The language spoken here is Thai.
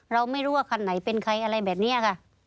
เราไม่รู้ว่าคันไหนเป็นใครอะไรแบบนี้ค่ะ